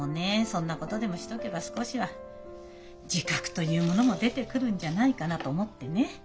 そんなことでもしとけば少しは自覚というものも出てくるんじゃないかなと思ってね。